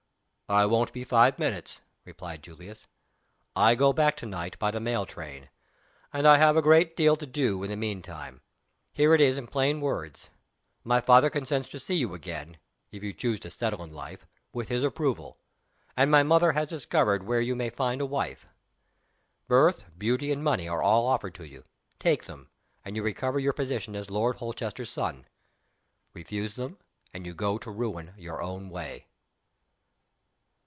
"I won't be five minutes," replied Julius. "I go back to night by the mail train; and I have a great deal to do in the mean time. Here it is, in plain words: My father consents to see you again, if you choose to settle in life with his approval. And my mother has discovered where you may find a wife. Birth, beauty, and money are all offered to you. Take them and you recover your position as Lord Holchester's son. Refuse them and you go to ruin your own way."